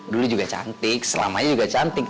dulu juga cantik selamanya juga cantik